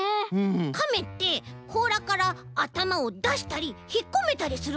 カメってこうらからあたまをだしたりひっこめたりするもんね。